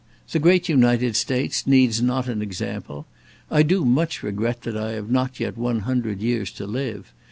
The great United States needs not an example. I do much regret that I have not yet one hundred years to live.